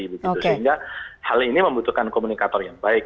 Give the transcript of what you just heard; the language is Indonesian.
sehingga hal ini membutuhkan komunikator yang baik